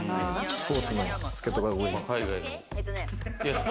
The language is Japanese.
スポーツの助っ人外国人。